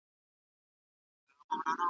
په خپل ژوند کي مثبتو بدلونونو ته هرکلی ووایئ.